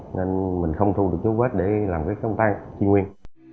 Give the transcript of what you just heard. nên mình không thu được dấu vết để làm cái khẩu trang truy nguyên